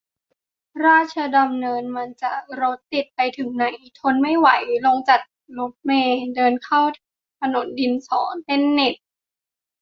ราชดำเนินมันจะรถติดไปถึงไหน ทนไม่ไหว ลงจากรถเมล์ เดินเข้าถนนดินสอ เล่นเน็ต !